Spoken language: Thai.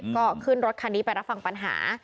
ก็ขึ้นรถคันนี้ไปรับฟังปัญหา